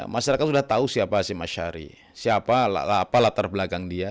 masyarakat sudah tahu siapa hashim asyari siapa apa latar belakang dia